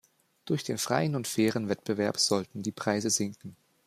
Durch den freien und fairen Wettbewerb sollten die Preise sinken.